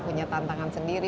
punya tantangan sendiri